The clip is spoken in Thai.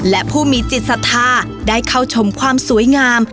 และผู้มีจิตศรัทธาได้เข้าชมความสวยงาม